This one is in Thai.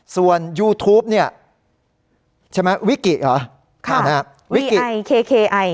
ส่วนยูทูปเนี่ยใช่ไหมวิกิเหรอค่ะนะฮะวิกิไอเคไอ